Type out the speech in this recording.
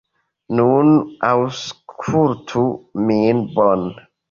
Nun aŭskultu min bone.